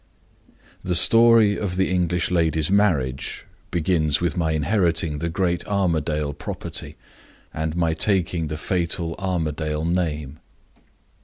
"The story of the English lady's marriage begins with my inheriting the great Armadale property, and my taking the fatal Armadale name.